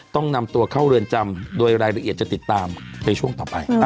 ต้องนำตัวเข้าเรือนจำโดยรายละเอียดจะติดตามในช่วงต่อไป